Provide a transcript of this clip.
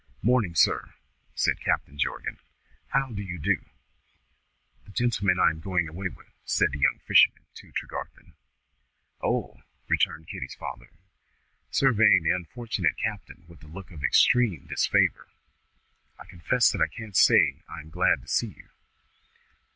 "Morning, sir!" said Captain Jorgan. "How do you do?" "The gentleman I am going away with," said the young fisherman to Tregarthen. "O!" returned Kitty's father, surveying the unfortunate captain with a look of extreme disfavour. "I confess that I can't say I am glad to see you."